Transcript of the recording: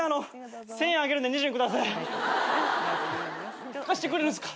１，０００円あげるんで２０円下さい。貸してくれるんすか？